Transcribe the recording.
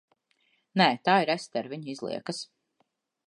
Nē. Tā ir Estere, viņa izliekas.